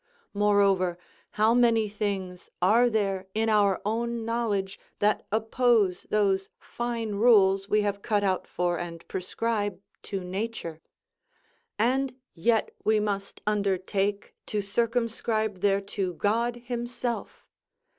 Moreover, how many things are there in our own knowledge that oppose those fine rules we have cut out for and prescribe to nature? And yet we must undertake to circumscribe thereto God himself!